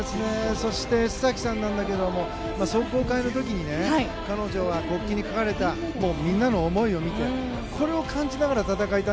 そして須崎さんなんだけど壮行会の時にね、彼女は国旗に書かれたみんなの思いを見てこれを感じながら戦えた。